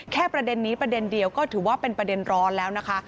ประเด็นนี้ประเด็นเดียวก็ถือว่าเป็นประเด็นร้อนแล้วนะคะ